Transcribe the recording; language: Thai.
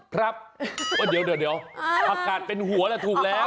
ครับว่าเดี๋ยวผักกาดเป็นหัวล่ะถูกแล้ว